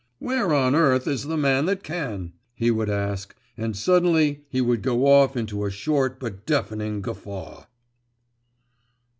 Where on earth is the man that can?' he would ask, and suddenly he would go off into a short but deafening guffaw.